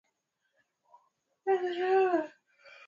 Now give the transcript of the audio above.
Bariki kenya baba tufurahie